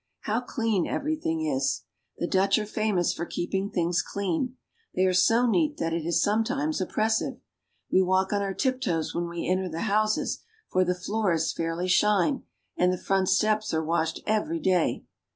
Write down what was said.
How clean everything is ! The Dutch are famous for keeping things clean ; they are so neat that it is sometimes oppressive. We walk on our tiptoes when we enter the houses, for the floors fairly shine, and the front steps are washed every day.